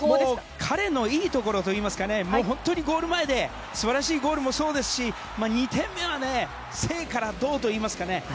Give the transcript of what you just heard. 彼のいいところといいますかゴール前で素晴らしいゴールもそうですし２点目は静から動といいますかね